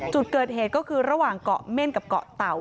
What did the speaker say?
จุดเกิดเหตุก็คือระหว่างเกาะเม่นกับเกาะเต่า